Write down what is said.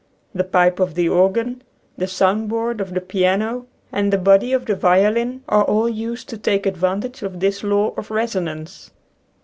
The pipe of the organ, the sound board of the piano, and the body of the violin are all used to take advantage of this law of resonance.